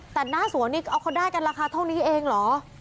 แต่หน้าสวนนี้เอาเขาได้กันราคาเท่านี้เองเหรอ